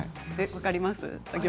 分かります。